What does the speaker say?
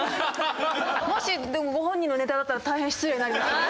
もしでもご本人のネタだったら大変失礼になりますよね